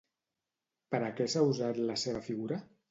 Per a què s'ha usat la seva figura?